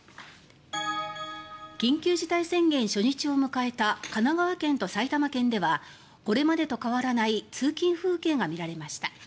緊急事態宣言初日を迎えた神奈川県と埼玉県ではこれまでと変わらない通勤風景が見られました。